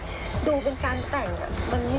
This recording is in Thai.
พี่หนึ่งเคล็ดลับในความเหมือนจริงของมันอย่างนี้